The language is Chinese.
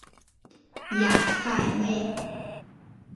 雅塞内。